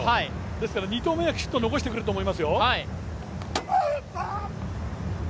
ですから２投目はきちっと残してくると思いますよ。